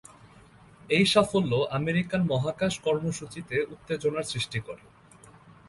এই সাফল্য আমেরিকান মহাকাশ কর্মসূচিতে উত্তেজনার সৃষ্টি করে।